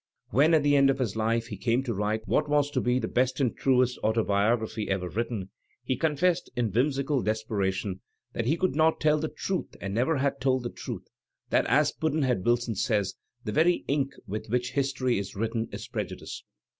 When, at the end of his life, he came to write what was to be "the best and truest auto biography ever written," he confessed in whimsical despera tion that he could not tell the truth and never had told the truth, that as Pudd'nhead Wilson says, the very ink with which history is written is prejudice.